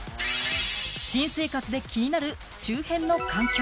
新生活で気になる周辺の環境。